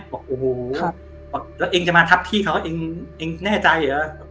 บอกโอ้โหแล้วเองจะมาทับพี่เขาเองแน่ใจเหรอ